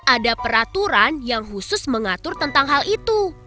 ada peraturan yang khusus mengatur tentang hal itu